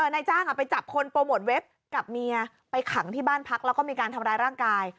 นายจ้างไปจับคนโปรโมทเว็บกับเมียไปขังที่บ้านพักแล้วก็มีการทำร้ายร่างกาย